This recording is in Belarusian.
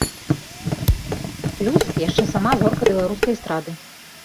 Плюс яшчэ сама зорка беларускай эстрады.